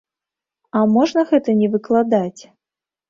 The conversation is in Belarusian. А можна гэта не выкладаць?